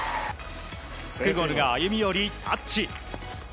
スクゴルが歩み寄り、タッチ。